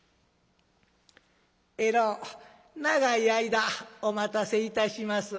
「えろう長い間お待たせいたします。